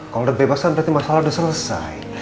kalau udah bebasan berarti masalah udah selesai